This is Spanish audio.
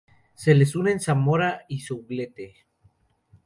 Se les unen Zamora y Soublette.